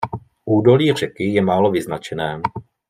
Údolí řeky je málo vyznačené.